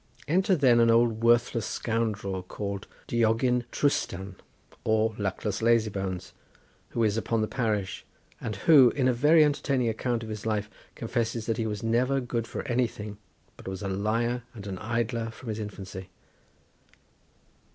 Enter then an old worthless scoundrel called Diogyn Trwstan, or Luckless Lazybones, who is upon the parish, and who, in a very entertaining account of his life, confesses that he was never good for anything, but was a liar and an idler from his infancy.